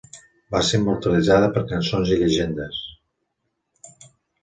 Va ser immortalitzada per cançons i llegendes.